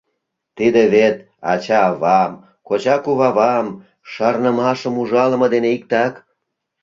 Тиде вет ача-авам, коча-кувавам, шарнымашым ужалыме дене иктак.